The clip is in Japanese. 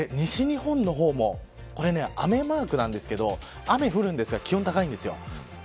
西日本の方も雨マークなんですけど雨降るんですが気温は高いんです。